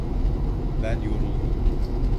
Ben yoruldum.